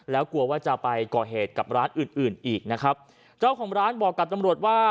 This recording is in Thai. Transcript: แล้วกลัวว่าจะไปก่อเหตุกับร้านอื่นอื่นอีกนะครับเจ้าของร้านบอกกับตำรวจว่า